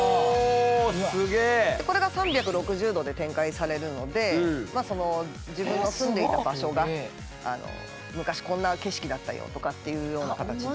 でこれが３６０度で展開されるので自分の住んでいた場所が昔こんな景色だったよとかっていうような形で。